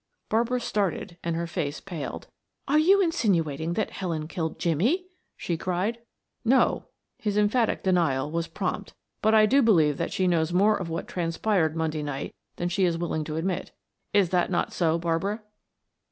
Barbara started and her face paled. "Are you insinuating that Helen killed Jimmie?" she cried. "No," his emphatic denial was prompt. "But I do believe that she knows more of what transpired Monday night than she is willing to admit. Is that not so, Barbara?"